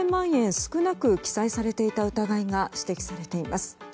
少なく記載されていた疑いが指摘されています。